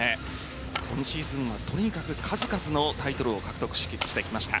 今シーズンはとにかく数々のタイトルを獲得してきました。